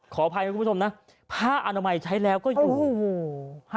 ขออภัยคุณผู้ชมนะผ้าอนามัยใช้แล้วก็อยู่โอ้โห